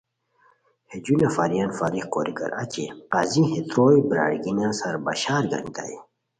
ہے جو نفریان فارغ کوریکار اچی قاضی ہے تروئے برار گینیان سار بشار گانیتائے